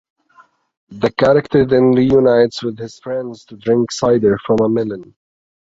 The character then reunites with his friends to "drink cider from a melon".